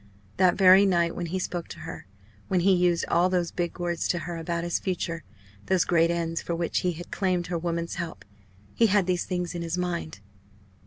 That very night when he spoke to her, when he used all those big words to her about his future, those great ends for which he had claimed her woman's help he had these things in his mind.